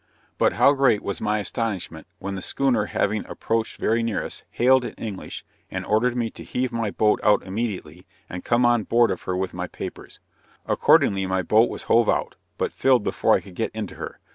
But how great was my astonishment, when the schooner having approached very near us, hailed in English, and ordered me to heave my boat out immediately and come on board of her with my papers. Accordingly my boat was hove out, but filled before I could get into her.